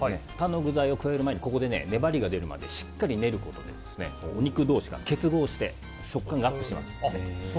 他の具材を加える前に、ここで粘りが出るまでしっかり練ることでお肉同士が結合して食感がアップします。